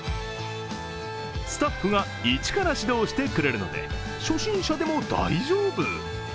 スタッフが一から指導してくれるので初心者でも大丈夫。